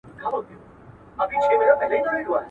تور پنجاب پر نړېدو دی.